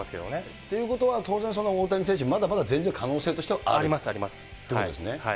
っていうことは当然、大谷選手、まだまだ全然、可能性としては？ということですね。